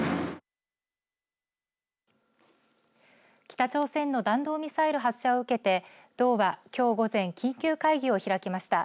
北朝鮮の弾道ミサイル発射を受けて道は、きょう午前緊急会議を開きました。